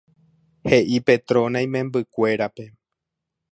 He'i Petrona imembykuérape.